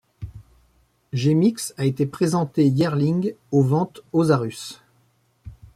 Gémix a été présenté yearling aux ventes Osarus.